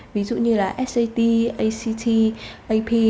ví dụ như là sat act ap